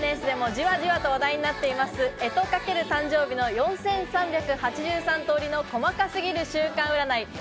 ＳＮＳでも、じわじわと話題になっています、干支×誕生日の４３８３通りの細かすぎる週間占い。